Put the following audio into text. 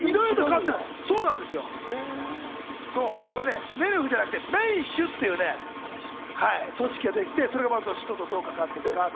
これねネルフじゃなくてメンシュっていう組織が出てきて、使徒とどう関わるのか。